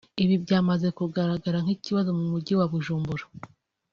Ibi byamaze kugaragara nk’ikibazo mu Mujyi wa Bujumbura